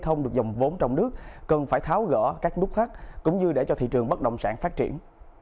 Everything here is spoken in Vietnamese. không được dòng vốn trong nước cần phải tháo gỡ các nút thắt cũng như để cho thị trường bất động sản phát triển